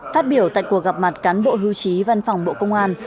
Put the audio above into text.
phát biểu tại cuộc gặp mặt cán bộ hưu trí văn phòng bộ công an